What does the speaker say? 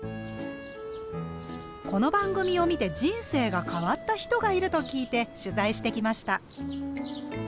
この番組を見て人生が変わった人がいると聞いて取材してきました。